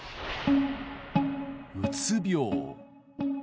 うつ病。